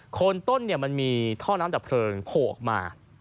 โคนต้นมันมีท่อน้ำดับเพลิงโผล่ออกมา